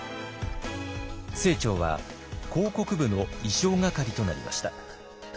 清張は広告部の意匠係となりました。